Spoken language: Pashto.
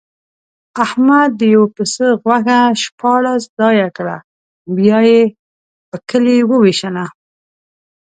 احمد د یوه پسه غوښه شپاړس ځایه کړه، بیا یې په کلي ووېشله.